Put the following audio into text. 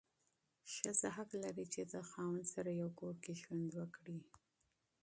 ښځه حق لري چې د خاوند سره یو کور کې ژوند وکړي.